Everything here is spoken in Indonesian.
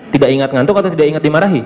tidak ingat ngantuk atau tidak ingat dimarahi